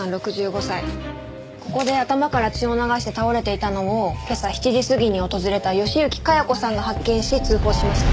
ここで頭から血を流して倒れていたのを今朝７時過ぎに訪れた吉行香也子さんが発見し通報しました。